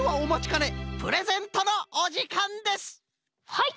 はい！